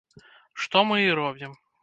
Што мы і робім.